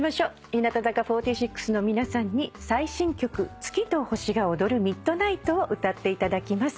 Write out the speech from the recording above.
日向坂４６の皆さんに最新曲『月と星が踊るＭｉｄｎｉｇｈｔ』を歌っていただきます。